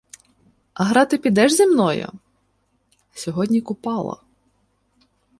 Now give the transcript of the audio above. — А грати підеш зі мною? Сьогодні Купала.